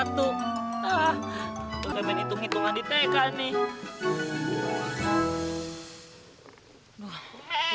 lo temen temen hitung hitungan di tk nih